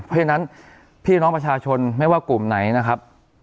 เพราะฉะนั้นพี่น้องประชาชนไม่ว่ากลุ่มไหนนะครับ